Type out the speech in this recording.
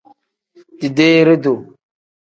Dideere-duu.